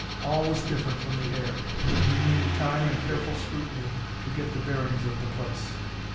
All was different from the air, and he needed time and careful scrutiny to get the bearings of the place.